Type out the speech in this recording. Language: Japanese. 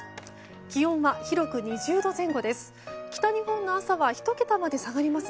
気温は広く２０度前後です。